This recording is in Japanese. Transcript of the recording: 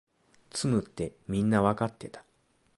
詰むってみんなわかってた